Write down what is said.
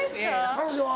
彼女は？